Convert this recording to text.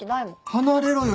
離れろよ